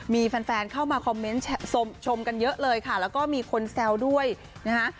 มีแฟนเข้ามาคอมเมนต์ชมกันเยอะเลยค่ะแล้วก็มีคนแซวด้วยนะคะ